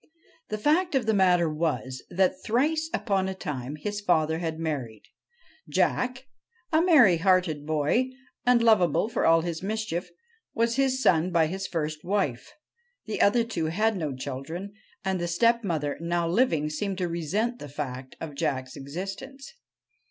The fact of the matter was, that thrice upon a time his father had married. Jack, a merry hearted boy, and lovable for all his mischief, was his son by his first wife. The other two had no children, and the stepmother now living seemed to resent the fact of Jack's existence.